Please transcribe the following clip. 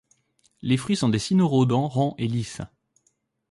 Les fruits sont des cynorrhodons ronds et lisses.